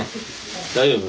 大丈夫？